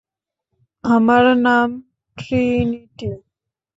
আমার নাম ট্রিনিটি!